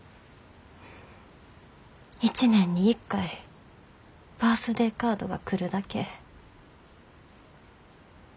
一年に１回バースデーカードが来るだけ。